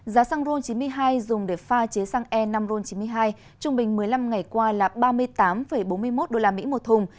giá xăng ron chín mươi hai dùng để pha chế xăng e năm ron chín mươi hai trung bình một mươi năm ngày qua là ba mươi tám bốn mươi một usd một thùng